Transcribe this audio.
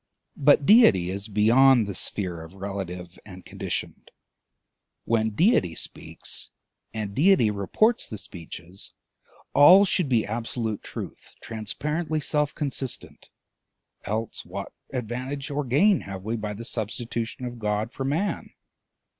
But deity is beyond the sphere of the relative and conditioned. When deity speaks and deity reports the speeches, all should be absolute truth transparently self consistent, else what advantage or gain have we by the substitution of God for Man?